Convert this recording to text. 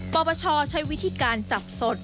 ปปชใช้วิธีการจับสด